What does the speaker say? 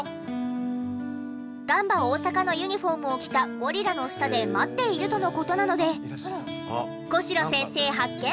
ガンバ大阪のユニホームを着たゴリラの下で待っているとの事なので小代先生発見！